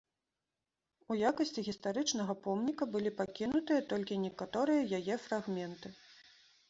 У якасці гістарычнага помніка былі пакінутыя толькі некаторыя яе фрагменты.